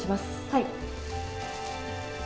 はい。